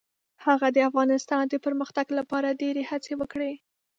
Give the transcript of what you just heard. هغه د افغانستان د پرمختګ لپاره ډیرې هڅې وکړې.